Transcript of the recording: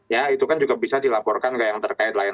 ya itu kan juga bisa dilaporkan ke yang terkait lain